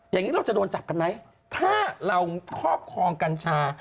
อย่างนี้เราจะโดนจับกันไหมถ้าเราครอบครองกัญชา